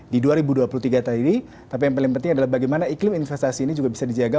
di dua ribu dua puluh tiga tadi tapi yang paling penting adalah bagaimana iklim investasi ini juga bisa dijaga